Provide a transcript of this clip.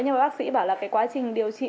nhưng mà bác sĩ bảo là cái quá trình điều trị